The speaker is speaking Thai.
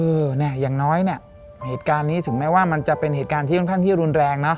เนี่ยอย่างน้อยเนี่ยเหตุการณ์นี้ถึงแม้ว่ามันจะเป็นเหตุการณ์ที่ค่อนข้างที่รุนแรงนะ